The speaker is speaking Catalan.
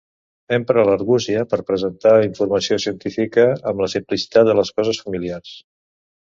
Empre l'argúcia per presentar informació científica amb la simplicitat de les coses familiars.